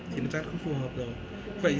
thì nó chắc không phù hợp đâu